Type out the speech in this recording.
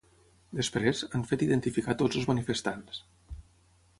Després, han fet identificar tots els manifestants.